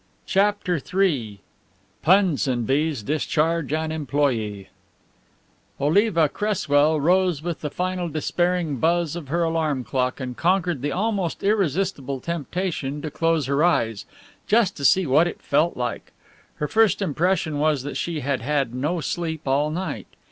CHAPTER III PUNSONBY'S DISCHARGE AN EMPLOYEE Oliva Cresswell rose with the final despairing buzz of her alarm clock and conquered the almost irresistible temptation to close her eyes, just to see what it felt like. Her first impression was that she had had no sleep all night.